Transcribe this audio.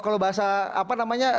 kalau bahasa apa namanya